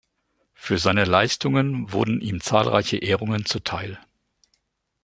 Für seine Leistungen wurden ihm zahlreiche Ehrungen zuteil.